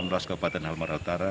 di kabupaten halmahera utara